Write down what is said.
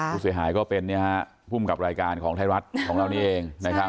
ผู้เสียหายก็เป็นภูมิกับรายการของไทยรัฐของเรานี่เองนะครับ